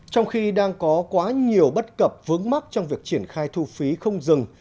trong khi đang có quá nhiều bất cập vướng mắc trong việc triển khai thu phí không dừng